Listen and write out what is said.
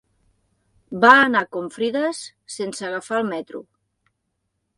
Va anar a Confrides sense agafar el metro.